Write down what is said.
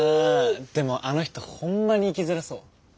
でもあの人ほんまに生きづらそう。